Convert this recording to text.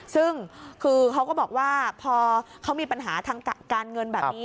ซึ่งคือเขาก็บอกว่าพอเขามีปัญหาทางการเงินแบบนี้